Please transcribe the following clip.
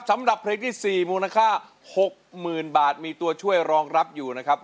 สำหรับเพลงที่๔มูลค่า๖๐๐๐บาทมีตัวช่วยรองรับอยู่นะครับ